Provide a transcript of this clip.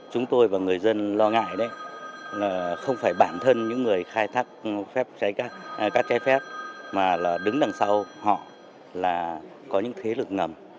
chúng tôi và người dân lo ngại đấy là không phải bản thân những người khai thác các trái phép mà là đứng đằng sau họ là có những thế lực ngầm